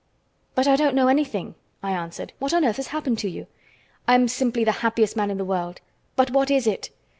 "But I don't know anything," I answered. "What on earth has happened to you?" "I'm simply the happiest man in the world!" "But what is it?"